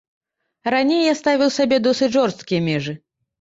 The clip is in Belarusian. Раней я ставіў сабе досыць жорсткія межы.